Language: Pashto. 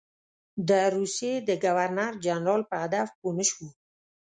د روسیې د ګورنر جنرال په هدف پوه نه شو.